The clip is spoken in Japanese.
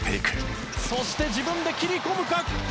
そして自分で切り込むか！